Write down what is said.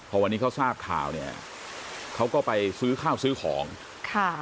พอวันนี้เขาทราบข่าวเนี่ยเขาก็ไปซื้อข้าวซื้อของค่ะ